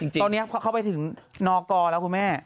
ตอนนี้พอเข้าไปถึงนกแล้วคุณแม่